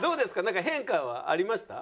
なんか変化はありました？